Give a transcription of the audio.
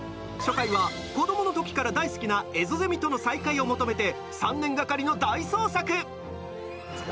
初回は子どものときから大好きなエゾゼミとの再会を求めて３年がかりの大捜索。